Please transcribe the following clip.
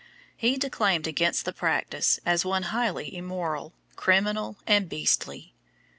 He declaimed against the practice as one highly immoral, criminal, and beastly.